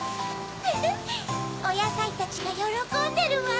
フフっおやさいたちがよろこんでるわ。